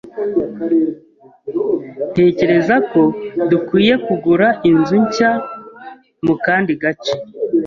Ntekereza ko dukwiye kugura inzu nshya mu kandi gace.